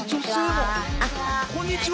こんにちは。